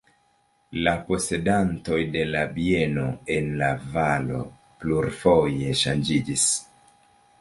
La posedantoj de la bienoj en la valo plurfoje ŝanĝiĝis.